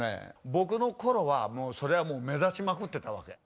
僕の頃はもうそれはもう目立ちまくってたわけ。